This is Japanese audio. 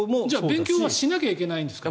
勉強はしなきゃいけないんですか